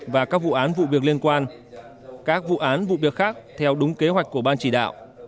và các vụ án vụ việc liên quan các vụ án vụ việc khác theo đúng kế hoạch của ban chỉ đạo